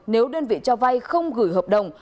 nếu đơn vị cho vai không gửi hợp đồng